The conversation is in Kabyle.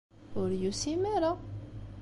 Ur yusim ara.